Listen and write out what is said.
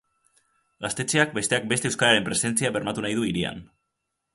Gaztetxeak besteak beste euskararen presentzia bermatu nahi du hirian.